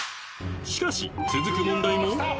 ［しかし続く問題も］